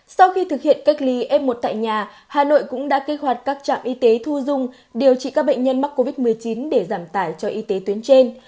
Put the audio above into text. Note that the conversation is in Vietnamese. sau khi thực hiện cách ly f một tại nhà hà nội cũng đã kích hoạt các trạm y tế thu dung điều trị các bệnh nhân mắc covid một mươi chín để giảm tải cho y tế tuyến trên